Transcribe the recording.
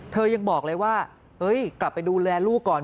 ยังบอกเลยว่ากลับไปดูแลลูกก่อน